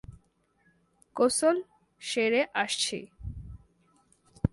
গোসল সেরে আসছি।